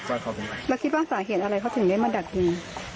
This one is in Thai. เราคิดว่าสาเหตุอะไรเขาถึงได้มาดักยิง